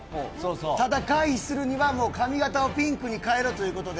ただ、回避するには髪形をピンクに変えろということで。